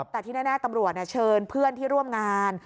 แต่ที่แน่ตำรวจเชิญเพื่อนที่ร่วมงาน